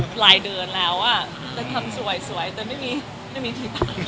หลายเดือนแล้วอ่ะจะทำสวยแต่ไม่มีที่บ้าน